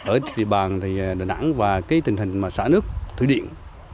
ở địa bàn đà nẵng và tình hình xã nước thủy điện